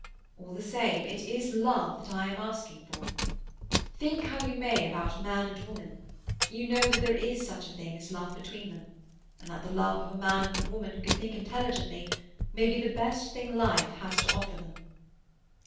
All the same, it is love that I am asking for. Think how you may about man and woman, you know that there is such a thing as love between them, and that the love of a man and a woman who can think intelligently may be the best thing life has to offer them."